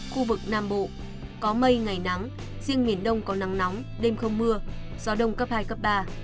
khu vực nam bộ có mây ngày nắng riêng miền đông có nắng nóng đêm không mưa gió đông cấp hai cấp ba